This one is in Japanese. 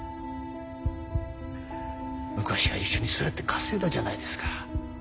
昔は一緒にそうやって稼いだじゃないですか。